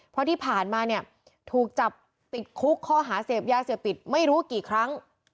เพราะที่ผ่านมาเนี่ยถูกจับติดคุกข้อหาเสพยาเสพติดไม่รู้กี่ครั้ง